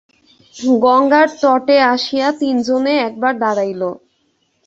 গঙ্গার তটে আসিয়া তিন জনে একবার দাঁড়াইল।